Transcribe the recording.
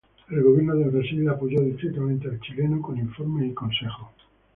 El gobierno de Brasil apoyó discretamente al chileno con informes y consejos.